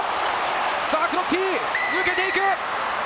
さあクロッティ、抜けていく。